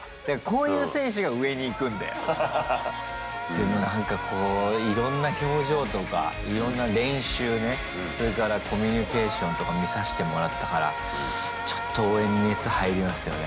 でもなんかこういろんな表情とかいろんな練習ねそれからコミュニケーションとか見さしてもらったからちょっと応援に熱入りますよね。